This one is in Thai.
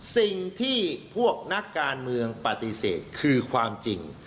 สิ่งที่พวกนักการเมืองปฏิเสธคือความจริง